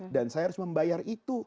dan saya harus membayar itu